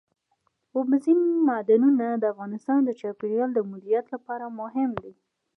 اوبزین معدنونه د افغانستان د چاپیریال د مدیریت لپاره مهم دي.